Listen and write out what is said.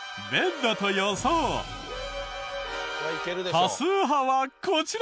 多数派はこちら！